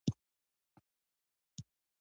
صرف يوه شعري ټولګه “اغاز َد عشق” پۀ نوم